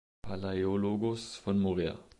Palaiologos von Morea.